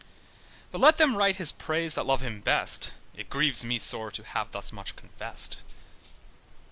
But let them write is praise that love him best, It grieves me sore to have thus much confessed.'